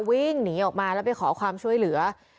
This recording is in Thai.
วิ่งหนีออกมาแล้วไปขอความช่วยเหลือ